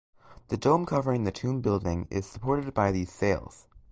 The dome covering the tomb building is supported by these sails.